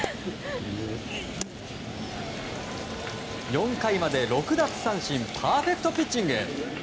４回まで６奪三振パーフェクトピッチング。